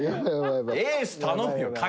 エース頼むよ。